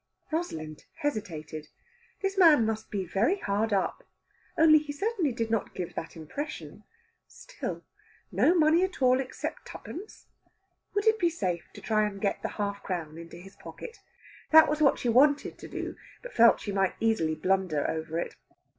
Rosalind hesitated. This man must be very hard up, only he certainly did not give that impression. Still, "no money at all, except twopence!" Would it be safe to try to get the half crown into his pocket? That was what she wanted to do, but felt she might easily blunder over it.